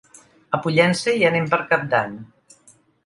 A Pollença hi anem per Cap d'Any.